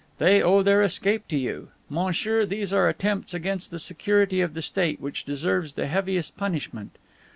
They owe their escape to you. Monsieur, those are attempts against the security of the State which deserves the heaviest punishment.